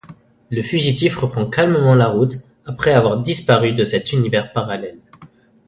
Le fugitif reprend calmement la route après avoir disparu de cet univers parallèle.